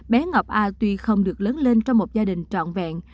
bé ngọc a tuy không được lớn lên trong một gia đình trọn vẹn